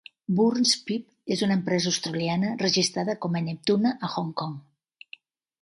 Burns, Phip és una empresa australiana registrada com a "Neptuna" a Hong Kong.